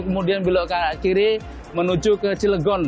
kemudian belok kanak kiri menuju ke cilegon